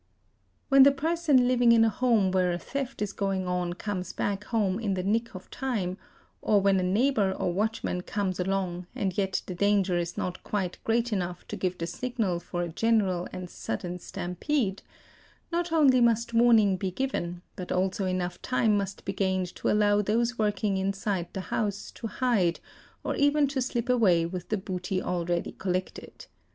| 3 When the person living in a house where a theft is going on comes back home in the nick of time, or when a neighbour or watchman comes along, and yet the danger is not quite great enough to give the signal for a general and sudden stampede, not only must warning be given, but also enough time must be gained to allow those working inside the house — to hide, or even to slip away with the booty already collected.